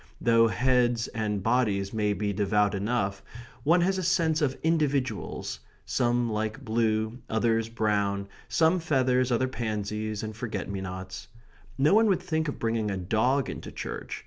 Though heads and bodies may be devout enough, one has a sense of individuals some like blue, others brown; some feathers, others pansies and forget me nots. No one would think of bringing a dog into church.